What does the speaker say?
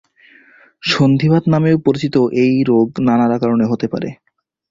সন্ধিবাত নামেও পরিচিত এ রোগ নানা কারণে হতে পারে।